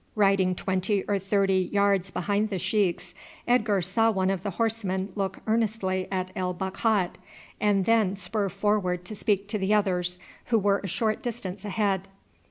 Riding twenty or thirty yards behind the sheiks Edgar saw one of the horsemen look earnestly at El Bakhat, and then spur forward to speak to the others who were a short distance ahead.